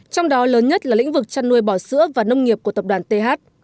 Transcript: trong đó lớn nhất là lĩnh vực chăn nuôi bò sữa và nông nghiệp của tập đoàn th